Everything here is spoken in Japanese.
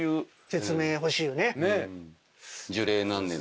説明欲しいよね。